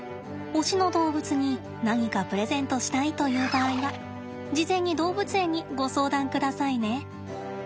推しの動物に何かプレゼントしたいという場合は事前に動物園にご相談くださいね。